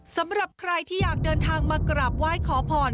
สำหรับใครที่อยากเดินทางมากราบไหว้ขอพร